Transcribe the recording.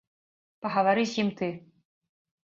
Пагавары з ім ты.